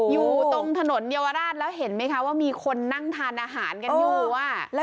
อยู่ตรงถนนเยาวราชแล้วเห็นไหมคะว่ามีคนนั่งทานอาหารกันอยู่